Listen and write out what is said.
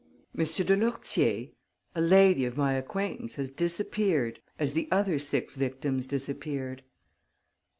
"M. de Lourtier, a lady of my acquaintance has disappeared as the other six victims disappeared."